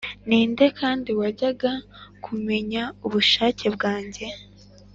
Ni nde kandi wajyaga kumenya ubushake bwawe,